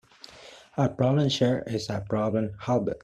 A problem shared is a problem halved.